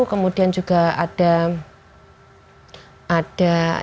kemudian juga ada